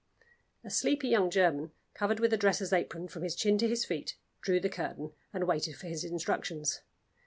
A sleepy young German, covered with a dresser's apron from his chin to his feet, drew the curtain, and waited for his instructions.